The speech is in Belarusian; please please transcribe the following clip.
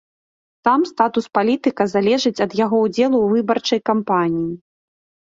Там статус палітыка залежыць ад яго ўдзелу ў выбарчай кампаніі.